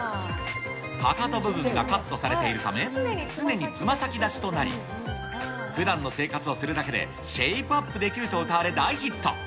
かかと部分がカットされているため、常につま先立ちとなり、ふだんの生活をするだけでシェイプアップできるとうたわれ、大ヒット。